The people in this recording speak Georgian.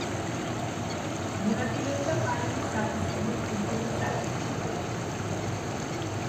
მონაწილეობდა პარიზის სათვისტომოს კულტურულ საქმიანობაში.